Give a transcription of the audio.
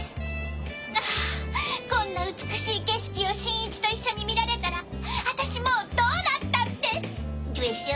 あぁこんな美しい景色を新一と一緒に見られたら私もうどうなったって‼でしょ？